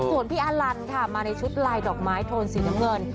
ส่วนพี่อาลันค่ะมาในชุดลายดอกไม้โทนสีน้ำเงิน